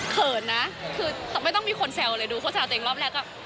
เขินนะคือไม่ต้องมีคนแซวเลยดูโฆษณาตัวเองรอบแรกก็